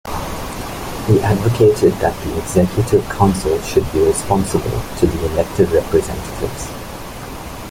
He advocated that the executive council should be responsible to the elected representatives.